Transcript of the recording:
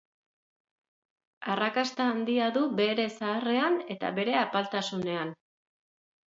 Arrakasta handia du bere zaharrean eta bere apaltasunean.